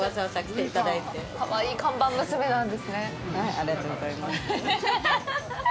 ありがとうございます。